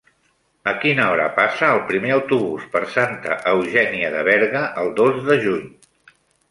A quina hora passa el primer autobús per Santa Eugènia de Berga el dos de juny?